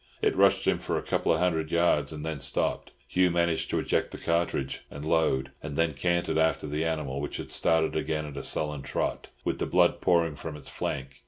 It rushed him for a couple of hundred yards, and then stopped. Hugh managed to eject the cartridge and load, and then cantered after the animal, which had started again at a sullen trot, with the blood pouring from its flank.